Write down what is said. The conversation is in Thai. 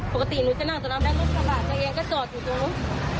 ปกติหนูจะนั่งตรงนั้นแล้วรถก็จอดอยู่ตรงนู้น